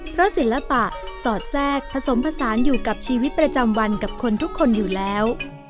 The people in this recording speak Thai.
เพราะศิลปะสอดแทรกผสมผสานอยู่กับชีวิตประจำวันกับคนทุกคนอยู่แล้ว